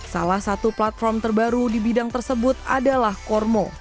salah satu platform terbaru di bidang tersebut adalah kormo